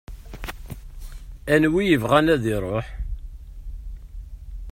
Anwa ibɣan ad ruḥ?.